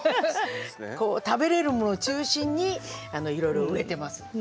食べれるものを中心にいろいろ植えてます。